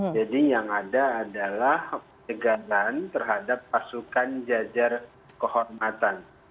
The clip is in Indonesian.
jadi yang ada adalah penyegaran terhadap pasukan jajar kehormatan